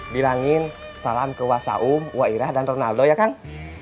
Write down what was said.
bilangin salam ke wa'asahum wa'irah dan ronaldo ya kang